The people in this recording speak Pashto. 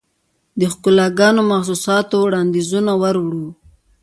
دښکالوګانو، محسوساتووړاندیزونه وروړو